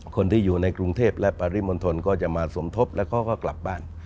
คนที่อยู่ในกรุงเทพและปริมณฑลก็จะมาสมทบแล้วเขาก็กลับบ้าน